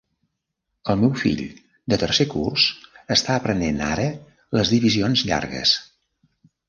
El meu fill, de tercer curs, està aprenent ara les divisions llargues.